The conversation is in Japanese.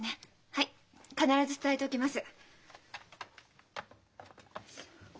はい必ず伝えておきます。